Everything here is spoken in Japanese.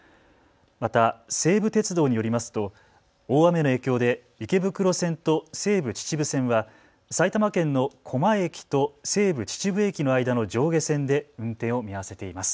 また西武鉄道によりますと大雨の影響で池袋線と西武秩父線は埼玉県の高麗駅と西武秩父駅の間の上下線で運転を見合わせています。